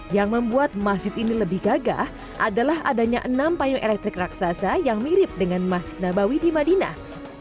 yang membuat masjid ini lebih gagah adalah adanya enam payung elektrik raksasa yang mirip dengan masjid nabawi di madinah